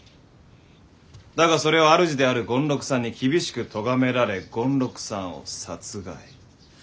だがそれは主である権六さんに厳しくとがめられ権六さんを殺害。